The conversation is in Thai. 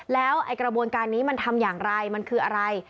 แล้วไอ้กระบวนการนี้มันทำอย่างไรมันคืออะไร